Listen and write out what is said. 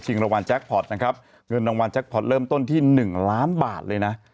รางวัลแจ็คพอร์ตนะครับเงินรางวัลแจ็คพอร์ตเริ่มต้นที่๑ล้านบาทเลยนะ